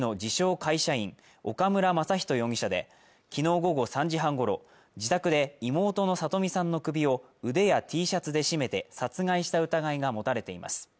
会社員岡村真仁容疑者で昨日午後３時半ごろ自宅で妹の聡美さんの首を腕やＴシャツで絞めて殺害した疑いが持たれています